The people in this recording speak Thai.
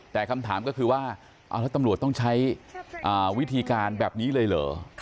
แต่คำถามก็คือว่าเอาแล้วตำรวจต้องใช้วิธีการแบบนี้เลยเหรอ